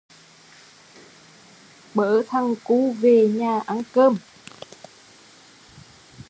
Bớ thằng cu về nhà ăn cơm